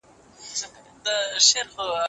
تاسي باید یو ځل د دلارام شېلې وګورئ